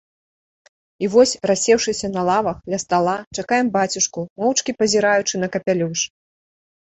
І вось, рассеўшыся на лавах, ля стала, чакаем бацюшку, моўчкі пазіраючы на капялюш.